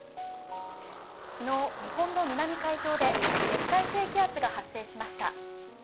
昨日、日本の南海上で熱帯低気圧が発生しました。